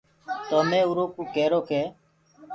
تو مينٚ اُرو ڪوُ ڪيرو ڪي